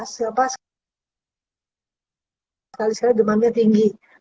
sekali sekala demamnya tinggi